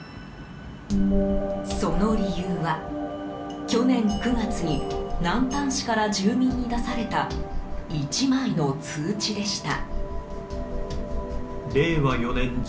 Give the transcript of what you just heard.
その理由は、去年９月に南丹市から住民に出された１枚の通知でした。